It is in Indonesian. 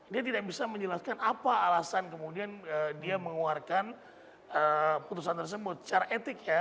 dia tidak bisa menjelaskan apa alasan kemudian dia mengeluarkan putusan tersebut secara etik ya